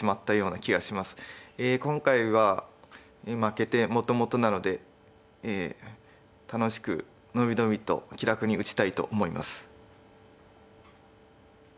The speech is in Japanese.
今回は負けてもともとなので楽しく伸び伸びと気楽に打ちたいと思います。